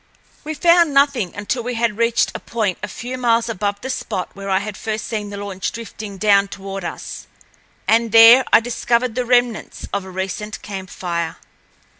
We found nothing until we had reached a point a few miles above the spot where I had first seen the launch drifting down toward us, and there I discovered the remnants of a recent camp fire.